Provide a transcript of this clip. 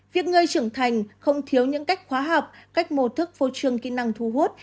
việc người trưởng thành không thiếu những cách khóa học cách mô thức phô trương kỹ năng thu hút